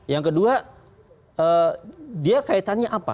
yang kedua dia kaitannya apa